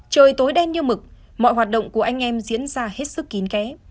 trời tối đen như mực mọi hoạt động của anh em diễn ra hết sức kín ké